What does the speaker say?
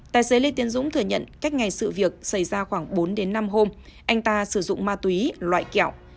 tài xế lê tiến dũng thừa nhận cách ngày sự việc xảy ra khoảng bốn đến năm hôm anh ta sử dụng ma túy loại kẹo